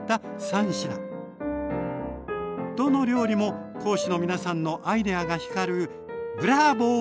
どの料理も講師の皆さんのアイデアが光るブラボー！